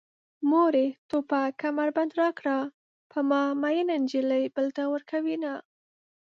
مورې توپک کمربند راکړه په ما مينه نجلۍ بل ته ورکوينه